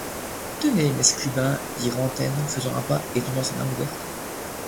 Tenez, mess Clubin… , dit Rantaine faisant un pas, et tendant sa main ouverte.